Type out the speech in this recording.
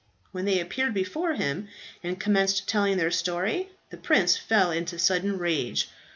When they appeared before him and commenced telling their story, the prince fell into sudden rage.